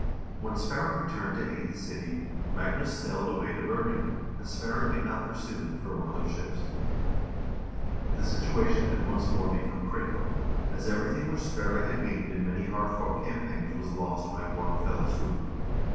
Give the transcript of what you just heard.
When Sverre re turned to aid the city, Magnus sailed away to Bergen, and Sverre could not pursue him for want of ships. The situation had once more become critical, as everything which Sverre had gained in many hard fought campaigns was lost by one fell swoop.